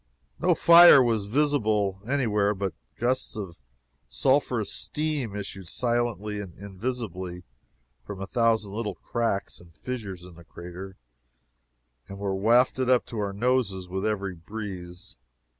No fire was visible any where, but gusts of sulphurous steam issued silently and invisibly from a thousand little cracks and fissures in the crater, and were wafted to our noses with every breeze.